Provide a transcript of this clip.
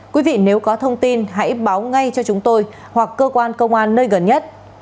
quý vị nếu có thông tin hãy báo ngay cho chúng tôi hoặc cơ quan công an nơi gần nhất